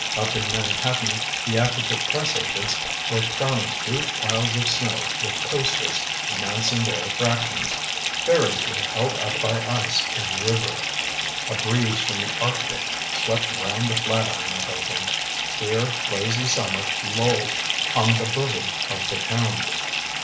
Up in Manhattan theatrical press agents were crowning huge piles of snow with posters announcing their attractions. Ferries were held up by ice in the river. A breeze from the Arctic swept round the Flatiron building. Here lazy summer lolled on the bosom of the town.